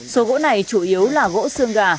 số gỗ này chủ yếu là gỗ xương gà